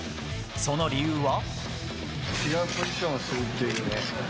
その理由は。